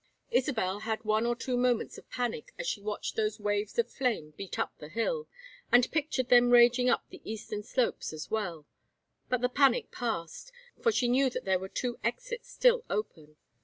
'" Isabel had one or two moments of panic as she watched those waves of flame beat up the hill, and pictured them raging up the eastern slopes as well; but the panic passed, for she knew that there were two exits still open.